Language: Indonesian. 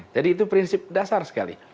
jadi itu prinsip dasar sekali